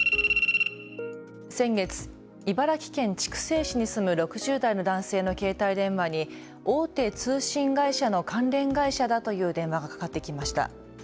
先月、茨城県筑西市に住む６０代の男性の携帯電話に大手通信会社の関連会社だという電話がかかってきました。